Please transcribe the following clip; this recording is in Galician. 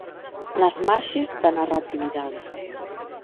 Nas marxes da narratividade.